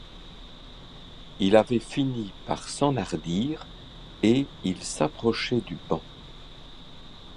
Il avait fini par s'enhardir, et il s'approchait du banc.